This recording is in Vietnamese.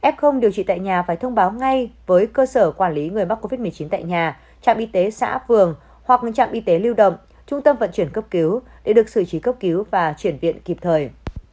f điều trị tại nhà phải thông báo ngay với cơ sở quản lý người mắc covid một mươi chín tại nhà trạm y tế xã phường hoặc trạm y tế lưu động trung tâm vận chuyển cấp cứu để được xử trí cấp cứu và chuyển viện kịp thời